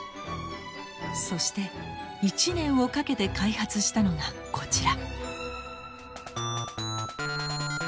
そして１年をかけて開発したのがこちら。